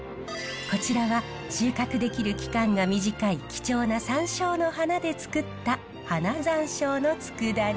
こちらは収穫できる期間が短い貴重なさんしょうの花でつくった花ざんしょうのつくだ煮。